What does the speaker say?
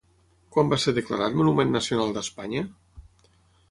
Quan va ser declarat Monument Nacional d'Espanya?